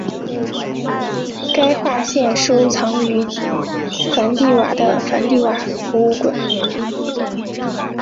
该画现收藏于梵蒂冈的梵蒂冈博物馆。